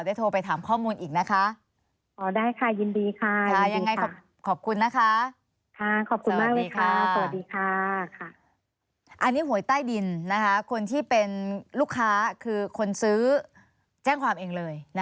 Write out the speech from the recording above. เราก็ต้องการคำตอบที่ชัดเจนอยู่แล้วค่ะคุณฟัน